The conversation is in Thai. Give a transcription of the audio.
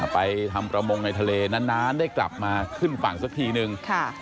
ไปทำประมงในทะเลนานได้กลับมาขึ้นฝั่งสักทีนึง